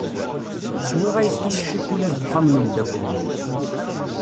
Swiɣ ayefki s cikula deg uxxam n umdakkel-iw.